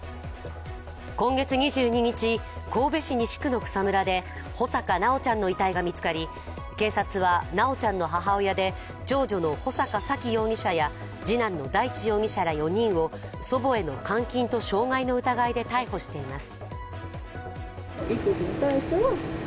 今月２２日、神戸市西区の草むらで穂坂修ちゃんの遺体が見つかり、警察は、修ちゃんの母親で長女の穂坂沙喜容疑者や次男の大地容疑者ら４人を祖母への監禁と傷害の疑いで逮捕しています。